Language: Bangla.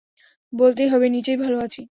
বলতেই হবে নিচেই ভালো আছি।